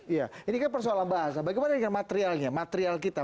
iya ini kan persoalan bahasa bagaimana dengan materialnya material kita